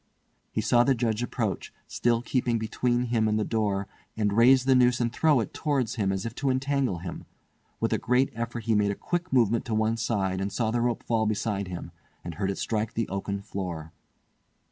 He saw the Judge approach—still keeping between him and the door—and raise the noose and throw it towards him as if to entangle him. With a great effort he made a quick movement to one side, and saw the rope fall beside him, and heard it strike the oaken floor.